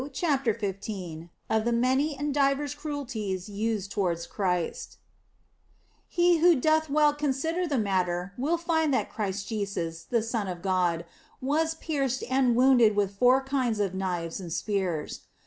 CHAPTER XV OF THE MANY AND DIVERS CRUELTIES USED TOWARDS CHRIST HE who doth well consider the matter will find that Christ Jesus, the Son of God, was pierced and wounded with four kinds of knives and spears.